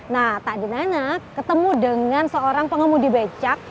nah tak dinanya ketemu dengan seorang pengemudi becak